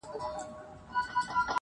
په لوی لاس ځان د بلا مخي ته سپر کړم-